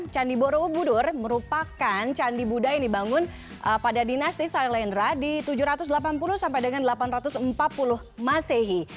candi borobudur merupakan candi budaya yang dibangun pada dinasti sailendra di tujuh ratus delapan puluh sampai dengan delapan ratus empat puluh masehi